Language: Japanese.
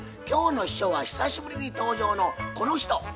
今日の秘書は久しぶりに登場のこの人。